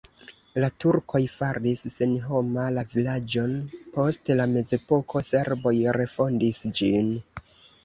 La turkoj faris senhoma la vilaĝon post la mezepoko, serboj refondis ĝin.